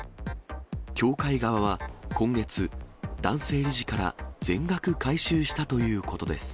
協会側は今月、男性理事から全額回収したということです。